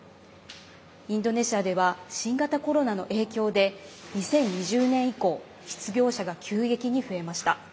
インドネシアでは新型コロナの影響で２０２０年以降失業者が急激に増えました。